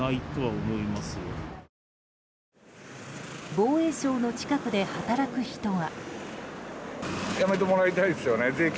防衛省の近くで働く人は。